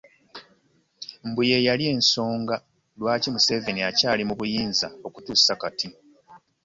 Mbu ye yali ensonga lwaki Museveni akyali mu buyinza okutuusa Kati